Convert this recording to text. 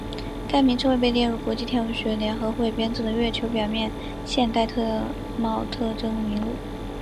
该名称未被列入国际天文学联合会编制的月球表面现代地貌特征名录。